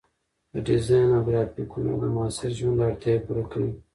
د ډیزاین او ګرافیک هنر د معاصر ژوند اړتیاوې پوره کوي.